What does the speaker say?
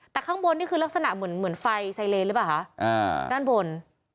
แต่ข้างบนนี่คือลักษณะเหมือนเหมือนไฟไซเลนหรือเปล่าคะด้านบน